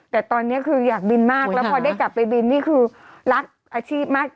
แต่ตอนนี้คืออยากบินมากแล้วพอได้กลับไปบินนี่คือรักอาชีพมาก